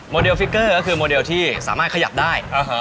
เลฟิกเกอร์ก็คือโมเดลที่สามารถขยับได้